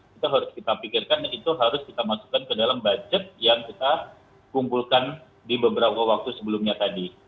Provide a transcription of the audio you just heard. kita harus kita pikirkan dan itu harus kita masukkan ke dalam budget yang kita kumpulkan di beberapa waktu sebelumnya tadi